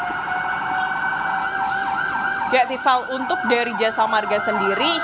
oke jadi apakah ini adalah jalan tol yang harus dilakukan